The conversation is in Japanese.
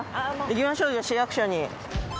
行きましょうじゃあ市役所に。